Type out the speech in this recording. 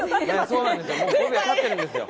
そうなんですよ！